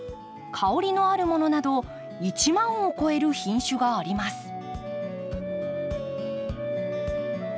香りのあるものなど１万を超える品種があります。